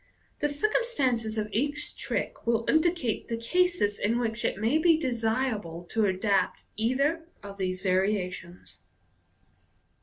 The circumstances of each trick will indicate the cases in which it may be desirable to adopt either of these variations.